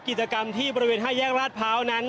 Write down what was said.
กิจกรรมที่บริเวณ๕แยกราชพร้าวนั้น